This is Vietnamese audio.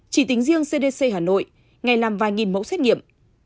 chỉ tính riêng cdc hà nội ngày làm vài nghìn mẫu xét nghiệm